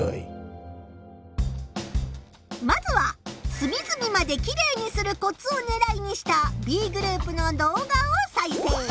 まずは「すみずみまでキレイにするコツ」をねらいにしたＢグループの動画を再生。